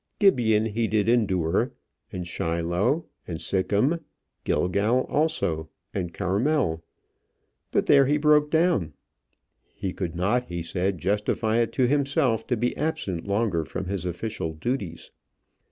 Gibeon he did endure, and Shiloh, and Sichem; Gilgal, also, and Carmel. But there he broke down: he could not, he said, justify it to himself to be absent longer from his official duties.